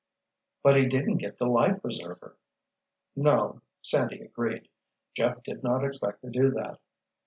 "But he didn't get the life preserver." No, Sandy agreed, Jeff did not expect to do that.